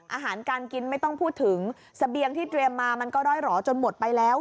อาหารการกินไม่ต้องพูดถึงเสบียงที่เตรียมมามันก็ร่อยหรอจนหมดไปแล้ว